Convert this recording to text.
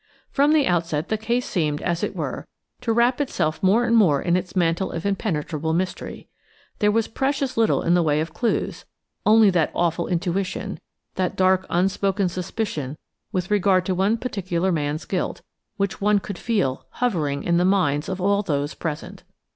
From the outset the case seemed, as it were, to wrap itself more and more in its mantle of impenetrable mystery. There was precious little in the way of clues, only that awful intuition, that dark unspoken suspicion with regard to one particular man's guilt, which one could feel hovering in the minds of all those present.